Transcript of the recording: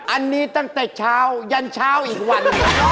อันนี้ตั้งแต่เช้ายันเช้าอีกวัน